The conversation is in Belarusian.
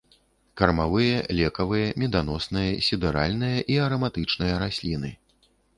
Кармавыя, лекавыя, меданосныя, сідэральныя і араматычныя расліны.